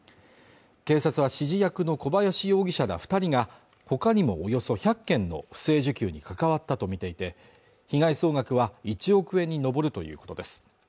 警察は指示役の小林容疑者ら二人がほかにもおよそ１００件の不正受給に関わったと見ていて被害総額は１億円に上るということです